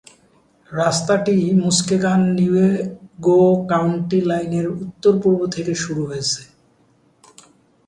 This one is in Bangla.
রাস্তাটি মুস্কেগান-নিউয়েগো কাউন্টি লাইনের উত্তর-পূর্ব থেকে শুরু হয়েছে।